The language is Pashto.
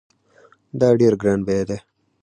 دا ډېر ګران بیه دی